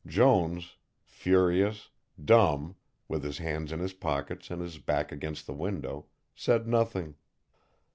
Jones, furious, dumb, with his hands in his pockets and his back against the window, said nothing.